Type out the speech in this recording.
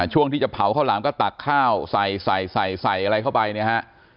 ช่วงที่จะเผาข้าวหลามก็ตักข้าวใส่ใส่ใส่อะไรเข้าไปเนี่ยฮะ